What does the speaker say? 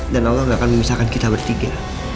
dan allah enggak akan memisahkan kita bertiga